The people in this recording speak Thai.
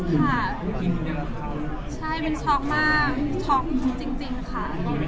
ค่ะใช่เป็นช็อคมากช็อคจริงจริงค่ะ